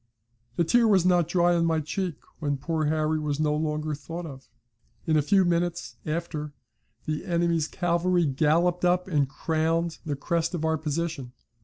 The tear was not dry on my cheek when poor Harry was no longer thought of. In a few minutes after, the enemy's cavalry galloped up and crowned the crest of our position.